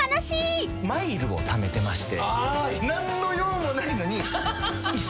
マイルをためてまして。